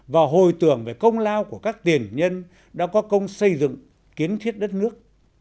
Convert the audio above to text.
và hồi tưởng về công lao của các tiền nhân đã có công xây dựng kiến thiết đất nước